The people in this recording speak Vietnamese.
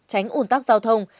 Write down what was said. tránh ủn tắc giao thông